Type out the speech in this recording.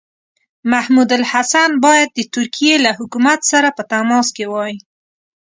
محمودالحسن باید د ترکیې له حکومت سره په تماس کې وای.